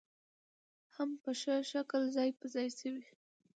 هم په ښه شکل ځاى په ځاى شوې